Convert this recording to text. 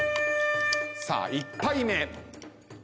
さあ１杯目。